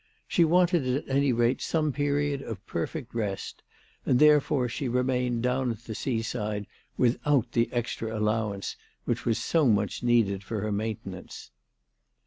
She wanted at any rate some period of perfect rest, and therefore she remained down at the seaside without the extra allowance which was so much needed for her main tenance.